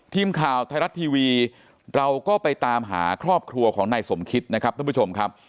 ทีมข่าวไทยรัฐทีวีเราก็ไปตามหาครอบครัวของนายสมคิดนะครับท่านผู้ชมครับ